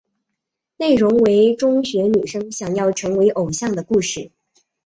内容为中学女生想要成为偶像的故事。